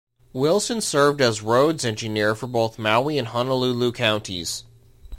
Wilson served as roads engineer for both Maui and Honolulu counties.